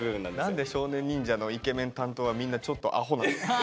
何で少年忍者のイケメン担当はみんなちょっとアホなの？